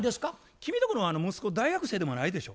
君とこの息子大学生でもないでしょ？